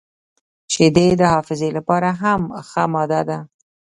• شیدې د حافظې لپاره هم ښه ماده ده.